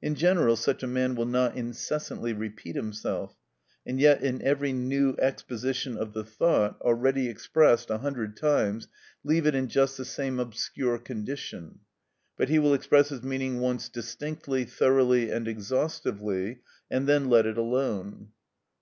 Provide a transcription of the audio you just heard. In general, such a man will not incessantly repeat himself, and yet in every new exposition of the thought already expressed a hundred times leave it in just the same obscure condition, but he will express his meaning once distinctly, thoroughly, and exhaustively, and then let it alone.